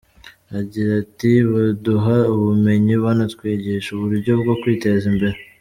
Agira ati “Baduha ubumenyi banatwigisha uburyo bwo kwiteza imbere.